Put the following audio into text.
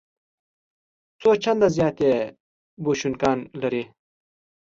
څو چنده زیات یې بوشونګان لري.